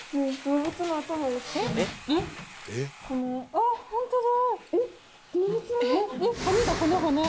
あホントだ！